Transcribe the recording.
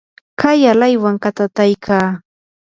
kay alaywan katataykaa.